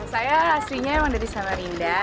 saya hasilnya memang dari samarinda